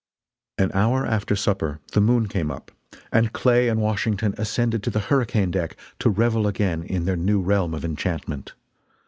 An hour after supper the moon came up, and Clay and Washington ascended to the hurricane deck to revel again in their new realm of enchantment.